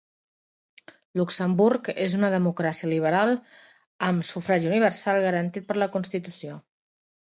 Luxemburg és una democràcia liberal, amb sufragi universal garantit per la Constitució.